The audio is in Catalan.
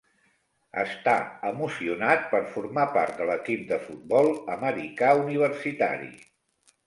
Està emocionat per formar part de l'equip de futbol americà universitari.